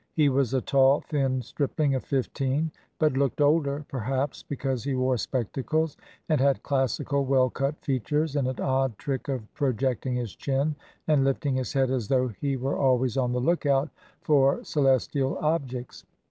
He was a tall, thin stripling of fifteen but looked older, perhaps because he wore spectacles and had classical, well cut features, and an odd trick of projecting his chin and lifting his head as though he were always on the look out for celestial objects.